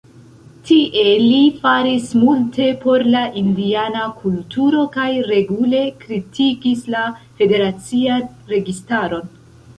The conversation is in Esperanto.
Tie li faris multe por la indiana kulturo kaj regule kritikis la federacian registaron.